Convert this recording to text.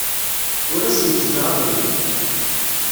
Ur asen-ttgeɣ abrid.